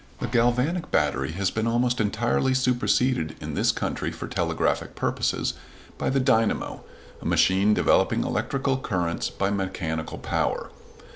The galvanic battery has been almost entirely superseded in this country for telegraphic purposes by the dynamo, a machine developing electrical currents by mechanical power.